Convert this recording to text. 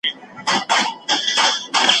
ما مي خپل وجود کړ عطر درته راغلمه څو ځله